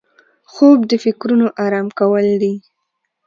خوب د فکرونو آرام کول دي